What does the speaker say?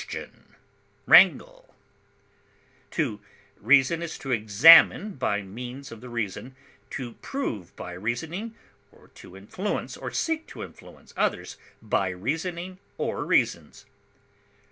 controvert, To reason is to examine by means of the reason, to prove by reasoning, or to influence or seek to influence others by reasoning or reasons.